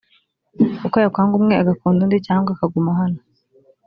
kuko yakwanga umwe agakunda undi cyangwa akaguma hano